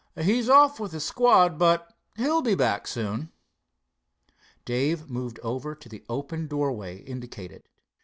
"He's off with a squad, but he'll be back soon." Dave moved over to the open doorway indicated.